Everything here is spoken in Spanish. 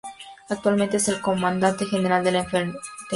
Actualmente, es el Comandante General de la Infantería de Marina.